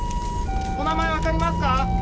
お名前分かりますか？